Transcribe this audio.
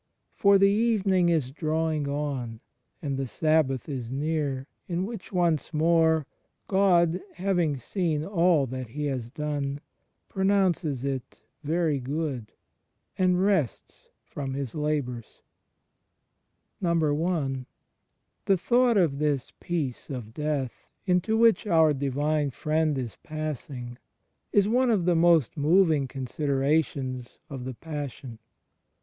For the evening is drawing on and the Sabbath is near in which once more, God, having seen all that He has done, pronoimces it "Very good" and rests from His labours. I. The thought of this Peace of Death into which our Divine Friend is passing is one of the most moving 150 THE FRIENDSHIP OF CHRIST considerations of the Passion.